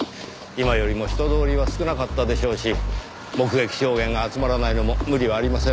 今よりも人通りは少なかったでしょうし目撃証言が集まらないのも無理はありませんねぇ。